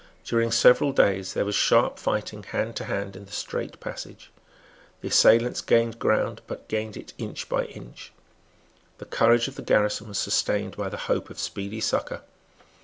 During several days there was sharp fighting hand to hand in the strait passage. The assailants gained ground, but gained it inch by inch. The courage of the garrison was sustained by the hope of speedy succour.